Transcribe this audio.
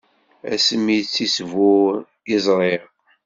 Ass mi i tt-isbur, i ẓriɣ.